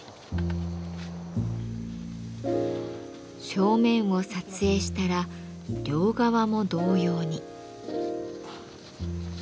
正面を撮影したら両側も同様に。